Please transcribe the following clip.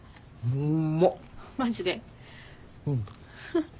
うん。